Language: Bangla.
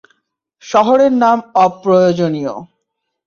শহরের নাম অপ্রয়োজনীয়।